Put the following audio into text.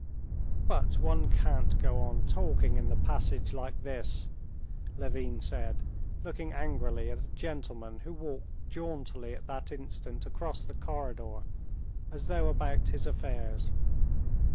"But one can't go on talking in the passage like this!" Levin said, looking angrily at a gentleman who walked jauntily at that instant across the corridor, as though about his affairs.